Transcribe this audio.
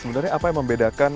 sebenarnya apa yang membedakan